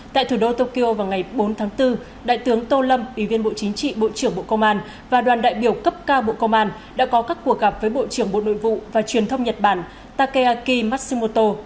tại thủ đô tokyo vào ngày bốn tháng bốn đại tướng tô lâm ủy viên bộ chính trị bộ trưởng bộ công an và đoàn đại biểu cấp cao bộ công an đã có các cuộc gặp với bộ trưởng bộ nội vụ và truyền thông nhật bản takeaki massimoto